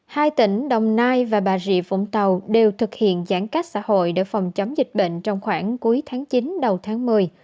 hai tỉnh đồng nai và bà rịa vũng tàu đều thực hiện giãn cách xã hội để phòng chống dịch bệnh trong khoảng cuối tháng chín đầu tháng một mươi